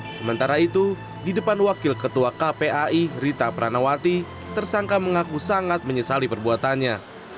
sementara itu di depan wakil ketua kpai rita pranawati tersangka mengaku sangat menyesali perbuatannya